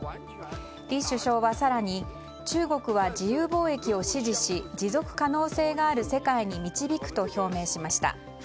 李首相は更に中国は自由貿易を支持し持続可能性がある世界に導くと表明しました。